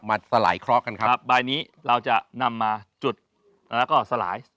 สลายเคราะห์กันครับใบนี้เราจะนำมาจุดแล้วก็สลาย